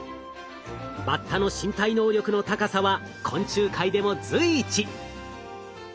バッタの身体能力の高さは昆虫界でも随一。